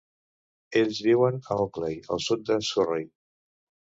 Ells viuen a Ockley, al sud de Surrey.